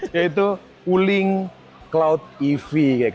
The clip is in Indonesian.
yaitu uling cloud ev